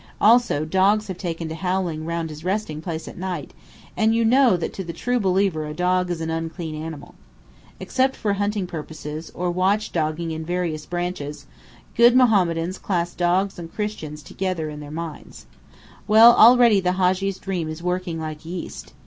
Also dogs have taken to howling round his resting place at night, and you know that to the true believer a dog is an unclean animal. Except for hunting purposes, or watch dogging in various branches, good Mohammedans class dogs and Christians together in their mind. Well, already the Hadji's dream is working like yeast.